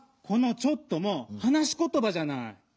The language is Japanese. この「ちょっと」もはなしことばじゃない！